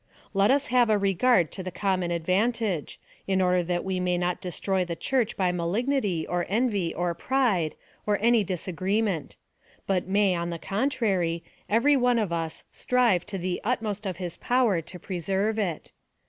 Let us have a regard to the common advantage, in order that we may not destroy the Church by malignity, or envy, or pride, or any disagreement ; but may, on the contrary, every one of us, strive to the utmost of his power to preserve it.